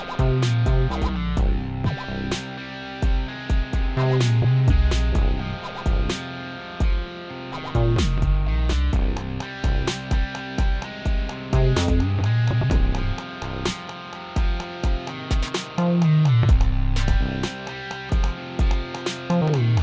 tapi kalau aku bisa ngubah ya